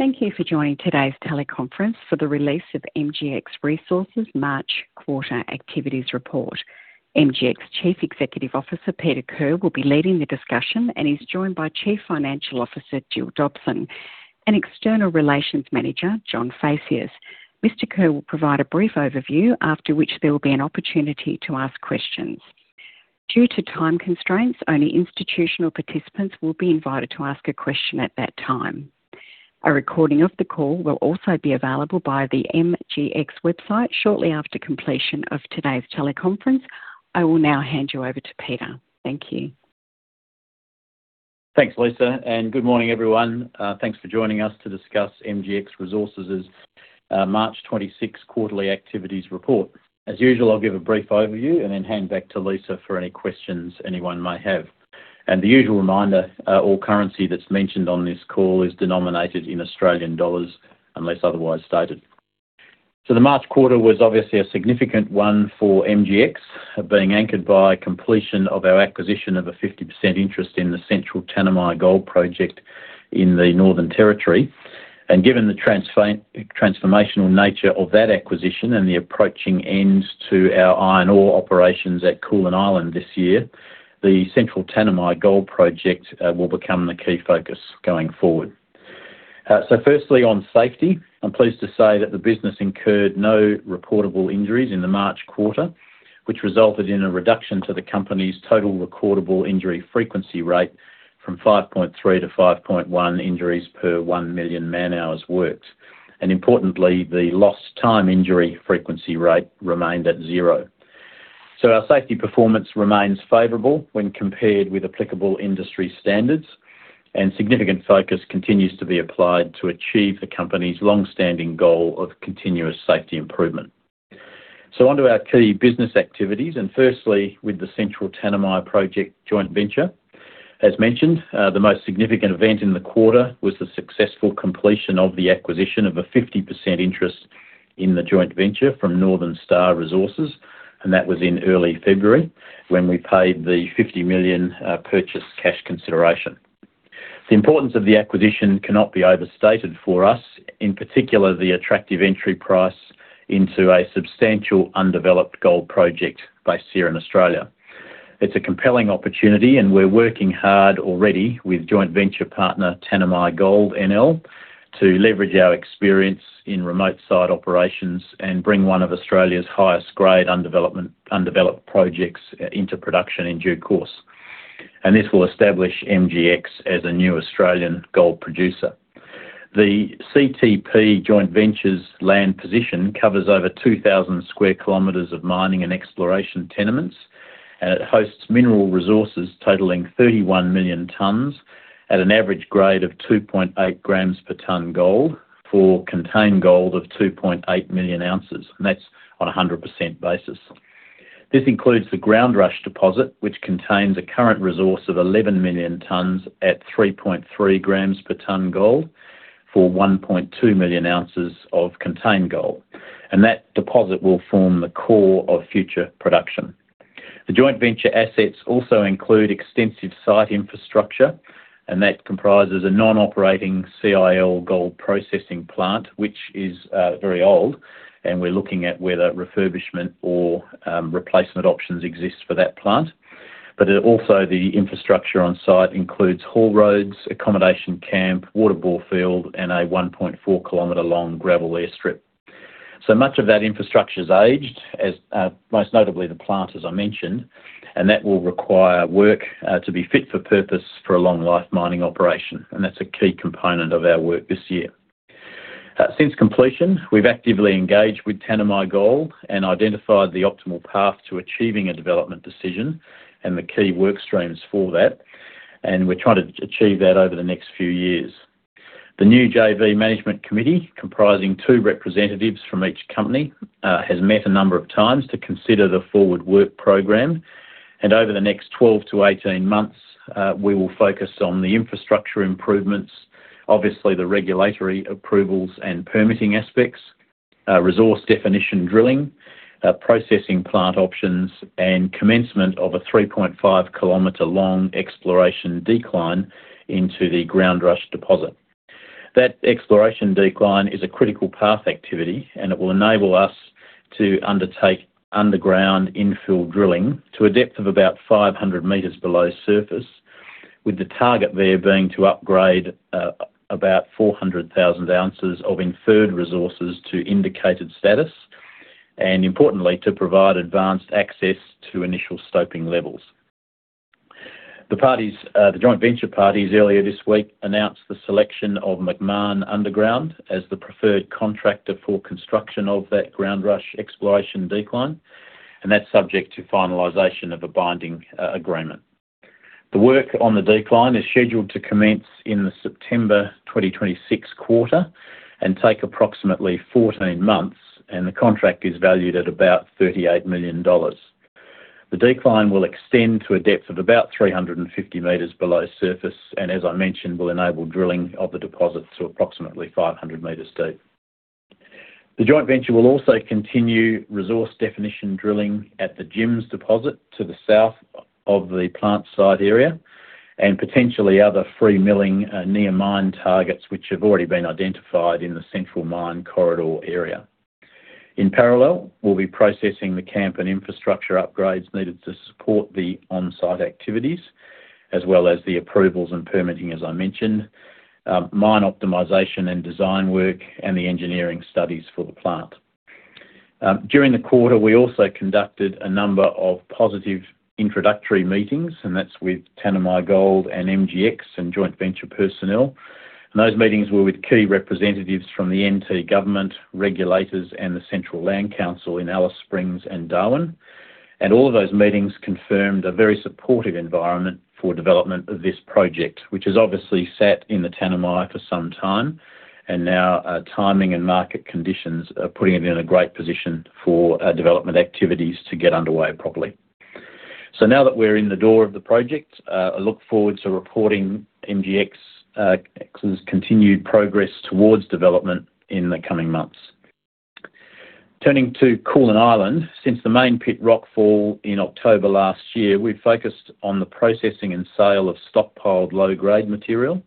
Thank you for joining today's teleconference for the release of MGX Resources' March quarter activities report. MGX Chief Executive Officer, Peter Kerr, will be leading the discussion and is joined by Chief Financial Officer, Gill Dobson, and External Relations Manager, John Phaceas. Mr. Kerr will provide a brief overview, after which there will be an opportunity to ask questions. Due to time constraints, only institutional participants will be invited to ask a question at that time. A recording of the call will also be available via the MGX website shortly after completion of today's teleconference. I will now hand you over to Peter. Thank you. Thanks, Lisa, and good morning, everyone. Thanks for joining us to discuss MGX Resources' March 26 quarterly activities report. As usual, I'll give a brief overview and then hand back to Lisa for any questions anyone may have. The usual reminder, all currency that's mentioned on this call is denominated in Australian dollars unless otherwise stated. The March quarter was obviously a significant one for MGX, being anchored by completion of our acquisition of a 50% interest in the Central Tanami Gold Project in the Northern Territory. Given the transformational nature of that acquisition and the approaching ends to our iron ore operations at Koolan Island this year, the Central Tanami Gold Project will become the key focus going forward. Firstly, on safety, I'm pleased to say that the business incurred no reportable injuries in the March quarter, which resulted in a reduction to the company's total recordable injury frequency rate from 5.3 to 5.1 injuries per 1 million man-hours worked. Importantly, the lost time injury frequency rate remained at 0. Our safety performance remains favorable when compared with applicable industry standards, and significant focus continues to be applied to achieve the company's long-standing goal of continuous safety improvement. On to our key business activities, firstly with the Central Tanami Gold Project. As mentioned, the most significant event in the quarter was the successful completion of the acquisition of a 50% interest in the joint venture from Northern Star Resources, and that was in early February when we paid the 50 million purchase cash consideration. The importance of the acquisition cannot be overstated for us, in particular, the attractive entry price into a substantial undeveloped gold project based here in Australia. It's a compelling opportunity, and we're working hard already with joint venture partner, Tanami Gold NL, to leverage our experience in remote site operations and bring one of Australia's highest grade undeveloped projects into production in due course. This will establish MGX as a new Australian gold producer. The CTP joint venture's land position covers over 2,000 sq km of mining and exploration tenements, and it hosts mineral resources totaling 31 million tons at an average grade of 2.8 g/t gold for contained gold of 2.8 million ounces. That's on a 100% basis. This includes the Groundrush deposit, which contains a current resource of 11 million tons at 3.3 g/t gold for 1.2 million ounces of contained gold. That deposit will form the core of future production. The joint venture assets also include extensive site infrastructure, and that comprises a non-operating CIL gold processing plant, which is very old, and we're looking at whether refurbishment or replacement options exist for that plant. Also the infrastructure on site includes haul roads, accommodation camp, water bore field, and a 1.4 km long gravel airstrip. Much of that infrastructure's aged, most notably the plant, as I mentioned, and that will require work to be fit for purpose for a long-life mining operation. That's a key component of our work this year. Since completion, we've actively engaged with Tanami Gold and identified the optimal path to achieving a development decision and the key work streams for that, and we're trying to achieve that over the next few years. The new JV management committee, comprising two representatives from each company, has met a number of times to consider the forward work program. Over the next 12 to 18 months, we will focus on the infrastructure improvements, obviously the regulatory approvals and permitting aspects, resource definition drilling, processing plant options, and commencement of a 3.5-kilometer-long exploration decline into the Groundrush deposit. That exploration decline is a critical path activity, and it will enable us to undertake underground infill drilling to a depth of about 500 meters below surface. With the target there being to upgrade about 400,000 ounces of inferred resources to indicated status, and importantly, to provide advanced access to initial stoping levels. The joint venture parties earlier this week announced the selection of Macmahon underground as the preferred contractor for construction of that Groundrush exploration decline, and that's subject to finalization of a binding agreement. The work on the decline is scheduled to commence in the September 2026 quarter and take approximately 14 months, and the contract is valued at about 38 million dollars. The decline will extend to a depth of about 350 meters below surface, and as I mentioned, will enable drilling of the deposit to approximately 500 meters deep. The joint venture will also continue resource definition drilling at the Jims deposit to the south of the plant site area and potentially other free milling near mine targets, which have already been identified in the central mine corridor area. In parallel, we'll be progressing the camp and infrastructure upgrades needed to support the on-site activities, as well as the approvals and permitting, as I mentioned, mine optimization and design work, and the engineering studies for the plant. During the quarter, we also conducted a number of positive introductory meetings, and that's with Tanami Gold and MGX and joint venture personnel. Those meetings were with key representatives from the NT government, regulators, and the Central Land Council in Alice Springs and Darwin. All of those meetings confirmed a very supportive environment for development of this project, which has obviously sat in the Tanami for some time, and now timing and market conditions are putting it in a great position for our development activities to get underway properly. Now that we're in the door of the project, I look forward to reporting MGX's continued progress towards development in the coming months. Turning to Koolan Island. Since the main pit rock fall in October last year, we've focused on the processing and sale of stockpiled low-grade material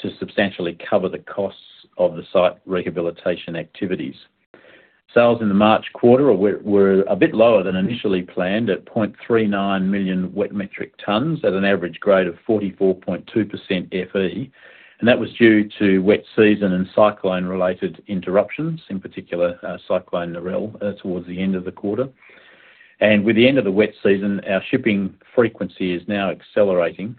to substantially cover the costs of the site rehabilitation activities. Sales in the March quarter were a bit lower than initially planned at 0.39 million wet metric tons at an average grade of 44.2% Fe, and that was due to wet season and cyclone-related interruptions, in particular, Cyclone Narelle towards the end of the quarter. With the end of the wet season, our shipping frequency is now accelerating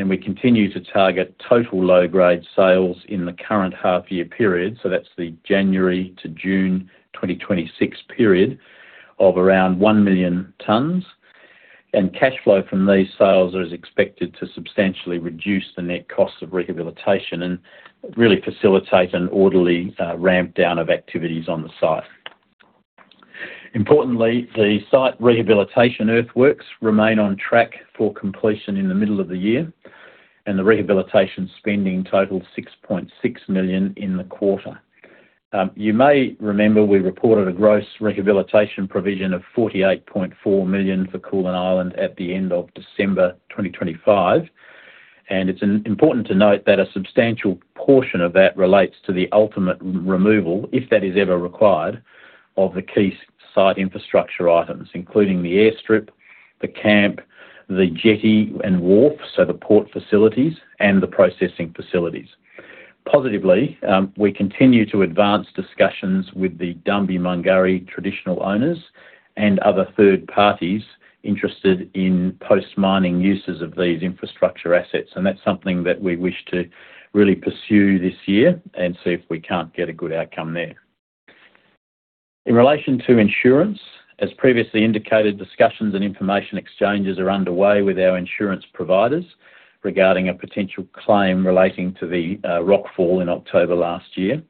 and we continue to target total low-grade sales in the current half-year period, so that's the January to June 2026 period, of around 1 million tons. Cash flow from these sales is expected to substantially reduce the net cost of rehabilitation and really facilitate an orderly ramp down of activities on the site. Importantly, the site rehabilitation earthworks remain on track for completion in the middle of the year, and the rehabilitation spending totaled 6.6 million in the quarter. You may remember we reported a gross rehabilitation provision of 48.4 million for Koolan Island at the end of December 2025, and it's important to note that a substantial portion of that relates to the ultimate removal, if that is ever required, of the key site infrastructure items, including the airstrip, the camp, the jetty, and wharf, so the port facilities, and the processing facilities. Positively, we continue to advance discussions with the Dambimangari traditional owners and other third parties interested in post-mining uses of these infrastructure assets, and that's something that we wish to really pursue this year and see if we can't get a good outcome there. In relation to insurance, as previously indicated, discussions and information exchanges are underway with our insurance providers regarding a potential claim relating to the rock fall in October last year.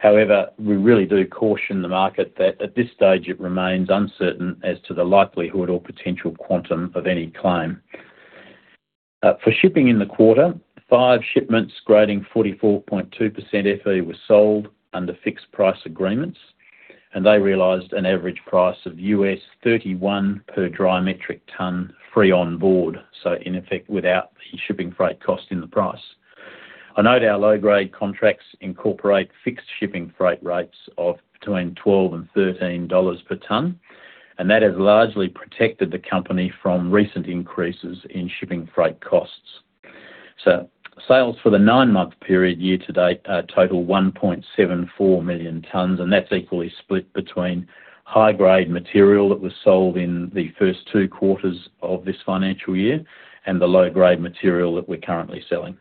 However, we really do caution the market that at this stage it remains uncertain as to the likelihood or potential quantum of any claim. For shipping in the quarter, 5 shipments grading 44.2% Fe were sold under fixed price agreements, and they realized an average price of $31 per dry metric ton free on board, so in effect, without the shipping freight cost in the price. I note our low-grade contracts incorporate fixed shipping freight rates of between $12-$13 per ton, and that has largely protected the company from recent increases in shipping freight costs. Sales for the 9-month period year to date total 1.74 million tons, and that's equally split between high-grade material that was sold in the first 2 quarters of this financial year and the low-grade material that we're currently selling.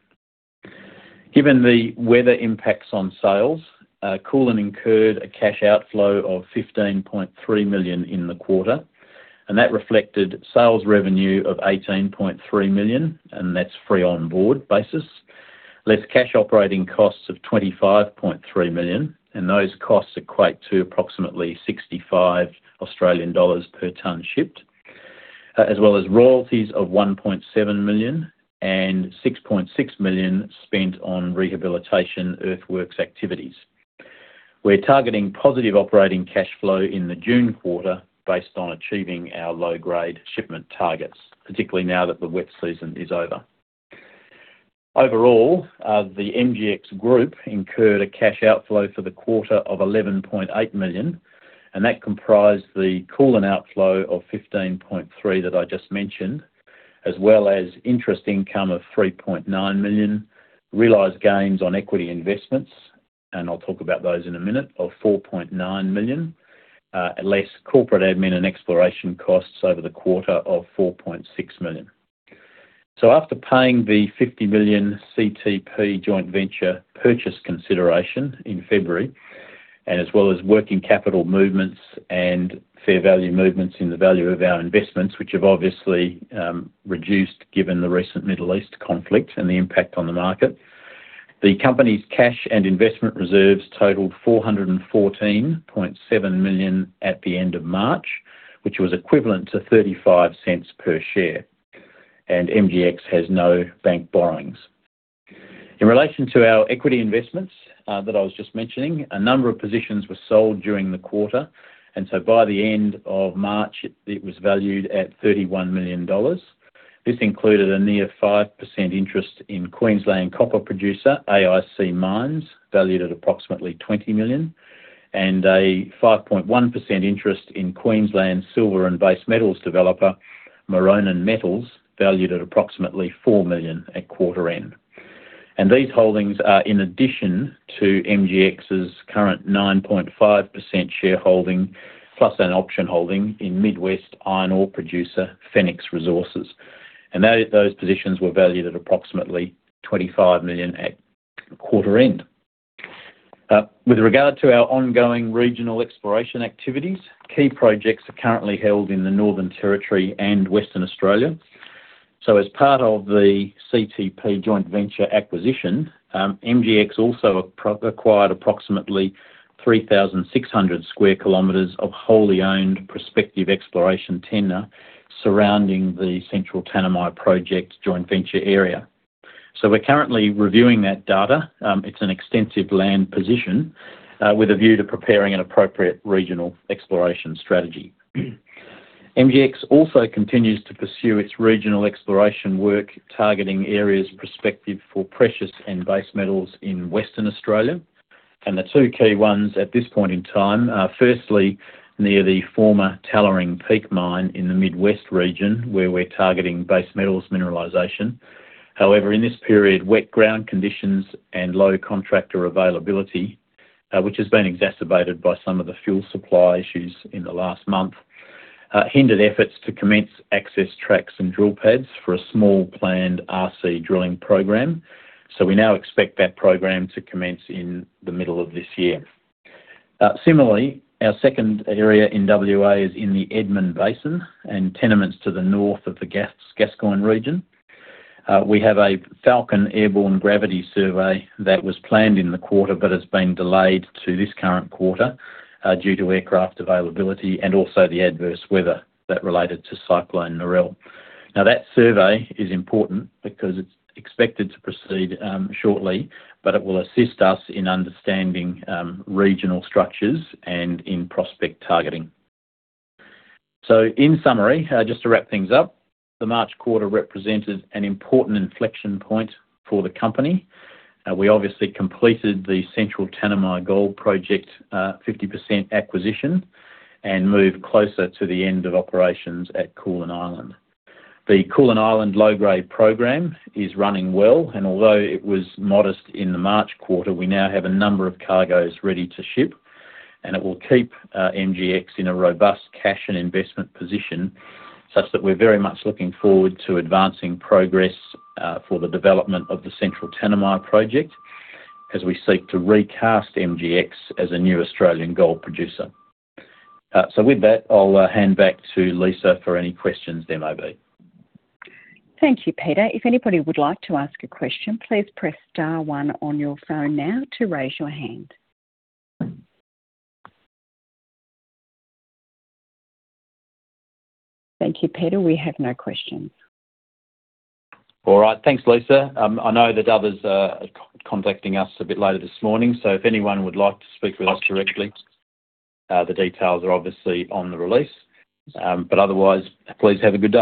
Given the weather impacts on sales, Koolan incurred a cash outflow of 15.3 million in the quarter, and that reflected sales revenue of 18.3 million, and that's free on board basis, less cash operating costs of 25.3 million, and those costs equate to approximately 65 Australian dollars per ton shipped, as well as royalties of 1.7 million and 6.6 million spent on rehabilitation earthworks activities. We're targeting positive operating cash flow in the June quarter based on achieving our low-grade shipment targets, particularly now that the wet season is over. Overall, the MGX group incurred a cash outflow for the quarter of 11.8 million, and that comprised the Koolan outflow of 15.3 million that I just mentioned, as well as interest income of 3.9 million, realized gains on equity investments, and I'll talk about those in a minute, of 4.9 million, less corporate admin and exploration costs over the quarter of 4.6 million. After paying the 50 million CTP joint venture purchase consideration in February, and as well as working capital movements and fair value movements in the value of our investments, which have obviously reduced given the recent Middle East conflict and the impact on the market, the company's cash and investment reserves totaled 414.7 million at the end of March, which was equivalent to 0.35 per share. MGX has no bank borrowings. In relation to our equity investments that I was just mentioning, a number of positions were sold during the quarter, and so by the end of March, it was valued at 31 million dollars. This included a near 5% interest in Queensland copper producer AIC Mines, valued at approximately 20 million, and a 5.1% interest in Queensland silver and base metals developer Moreton Metals, valued at approximately 4 million at quarter end. These holdings are in addition to MGX's current 9.5% shareholding, plus an option holding in Mid-West iron ore producer Fenix Resources. Those positions were valued at approximately 25 million at quarter end. With regard to our ongoing regional exploration activities, key projects are currently held in the Northern Territory and Western Australia. As part of the CTP joint venture acquisition, MGX also acquired approximately 3,600 square kilometers of wholly owned prospective exploration tenure surrounding the Central Tanami project joint venture area. We're currently reviewing that data, it's an extensive land position, with a view to preparing an appropriate regional exploration strategy. MGX also continues to pursue its regional exploration work, targeting areas prospective for precious and base metals in Western Australia. The two key ones at this point in time are firstly, near the former Tallering Peak mine in the Mid-West region, where we're targeting base metals mineralization. However, in this period, wet ground conditions and low contractor availability, which has been exacerbated by some of the fuel supply issues in the last month, hindered efforts to commence access tracks and drill pads for a small planned RC drilling program. We now expect that program to commence in the middle of this year. Similarly, our second area in WA is in the Edmund Basin and tenements to the north of the Gascoyne region. We have a Falcon airborne gravity survey that was planned in the quarter but has been delayed to this current quarter due to aircraft availability and also the adverse weather that related to Cyclone Narelle. Now, that survey is important because it's expected to proceed shortly, but it will assist us in understanding regional structures and in prospect targeting. In summary, just to wrap things up, the March quarter represented an important inflection point for the company. We obviously completed the Central Tanami Gold Project 50% acquisition and moved closer to the end of operations at Koolan Island. The Koolan Island low-grade program is running well, and although it was modest in the March quarter, we now have a number of cargoes ready to ship. It will keep MGX in a robust cash and investment position, such that we're very much looking forward to advancing progress for the development of the Central Tanami project as we seek to recast MGX as a new Australian gold producer. With that, I'll hand back to Lisa for any questions there may be. Thank you, Peter. If anybody would like to ask a question, please press star one on your phone now to raise your hand. Thank you, Peter. We have no questions. All right. Thanks, Lisa. I know that others are contacting us a bit later this morning, so if anyone would like to speak with us directly, the details are obviously on the release. Otherwise, please have a good day.